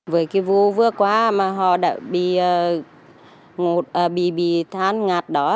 với cái vụ vừa qua mà họ đã bị than ngạt đó